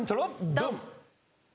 ドン！